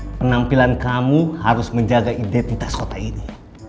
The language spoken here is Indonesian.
karena penampilan kamu harus menjaga identitas kota ini